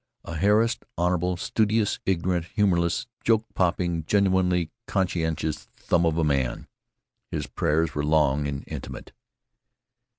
A harassed, honorable, studious, ignorant, humorless, joke popping, genuinely conscientious thumb of a man. His prayers were long and intimate.